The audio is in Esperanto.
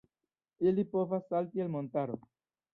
Ili povas salti el montaro.